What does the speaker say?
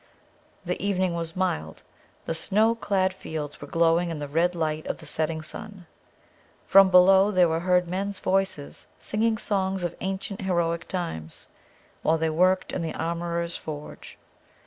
The evening was mild; the snow clad fields were glowing in the red light of the setting sun; from below there were heard men's voices singing songs of ancient heroic times, while they worked in the armourer's forge.